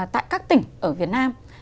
tại các tỉnh ở việt nam